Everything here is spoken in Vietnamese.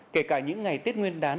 kể cả những ngày tết nguyên đán